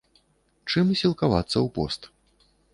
Чым сілкавацца ў пост?